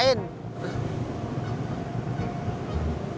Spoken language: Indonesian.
lagi nyebutin bulu hidung